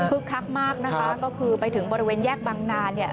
คึกคักมากนะคะก็คือไปถึงบริเวณแยกบังนา